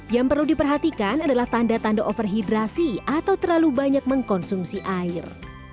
yang perlu diperhatikan adalah tanda tanda overhidrasi atau terlalu banyak mengkonsumsi air